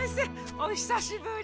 おひさしぶり。